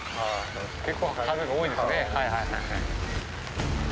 結構、数が多いですね。